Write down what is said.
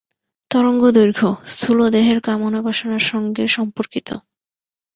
তরঙ্গ-দৈর্ঘ্য, স্থুল দেহের কামনা-বাসনার সঙ্গে সম্পর্কিত।